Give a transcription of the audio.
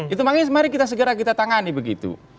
itu makanya mari kita segera kita tangani begitu